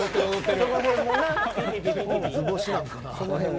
図星なんかな。